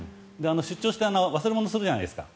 出張して忘れ物をするじゃないですか。